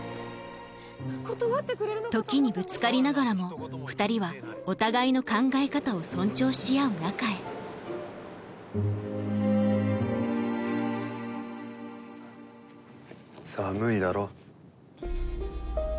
時にぶつかりながらも２人はお互いの考え方を尊重し合う仲へ寒いだろ。